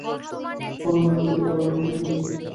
মনে মনে মতি বড় ক্ষুন্ন হইয়া গেল।